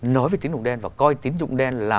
nói về tín dụng đen và coi tín dụng đen là